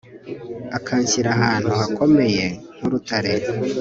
akanshyira ahantu hakomeye nk'urutare